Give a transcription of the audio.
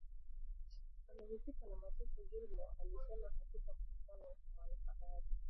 wamehusika na mateso Gilmore alisema katika mkutano na wanahabari